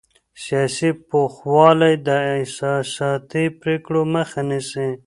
سیاسي پوخوالی د احساساتي پرېکړو مخه نیسي